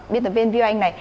biên tập viên viu anh này